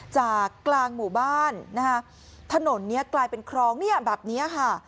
จากกลางหมู่บ้านถนนนี้กลายเป็นคลองแบบนี้ค่ะ